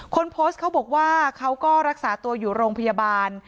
คนโพสต์เขาบอกว่าเขาก็รักษาตัวอยู่โรงพยาบาล